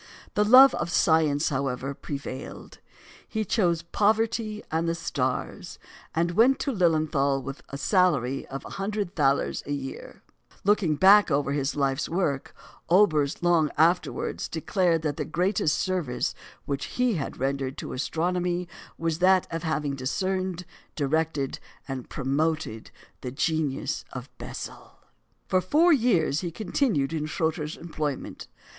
The love of science, however, prevailed; he chose poverty and the stars, and went to Lilienthal with a salary of a hundred thalers yearly. Looking back over his life's work, Olbers long afterwards declared that the greatest service which he had rendered to astronomy was that of having discerned, directed, and promoted the genius of Bessel. For four years he continued in Schröter's employment.